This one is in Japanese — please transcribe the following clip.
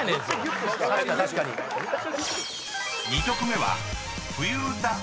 ［２曲目は］